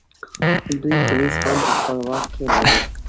دوی پولیس هم په خپل واک کې لري